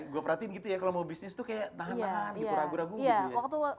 gue perhatiin gitu ya kalau mau bisnis tuh kayak tahanan gitu ragu ragu gitu ya